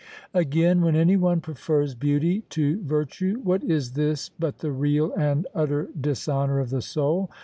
Again, when any one prefers beauty to virtue, what is this but the real and utter dishonour of the soul?